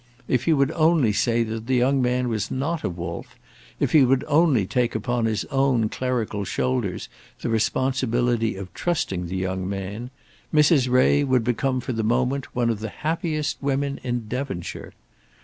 If he would only say that the young man was not a wolf, if he would only take upon his own clerical shoulders the responsibility of trusting the young man, Mrs. Ray would become for the moment one of the happiest women in Devonshire.